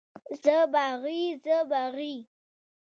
زه باغي، زه باغي.